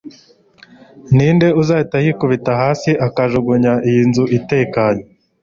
Ninde uzahita yikubita hasi akajugunya iyi nzu itekanye